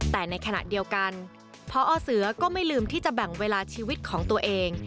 แต่ในขณะเดียวกันพอเสือก็ไม่ลืมที่จะแบ่งเวลาชีวิตของตัวเอง